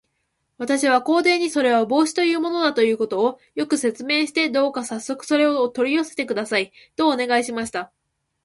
私は皇帝に、それは帽子というものだということを、よく説明して、どうかさっそくそれを取り寄せてください、とお願いしました。